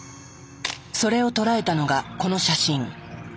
それを捉えたのがこの写真。